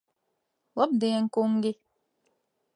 Labdien, kungi!